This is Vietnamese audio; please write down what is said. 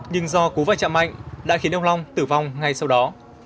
nhưng do cú vai trạm mạnh đã khiến ông long tử vong ngay sau đó